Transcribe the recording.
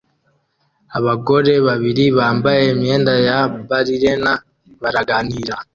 Abagore babiri bambaye imyenda ya ballerina baraganira